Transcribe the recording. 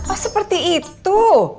oh seperti itu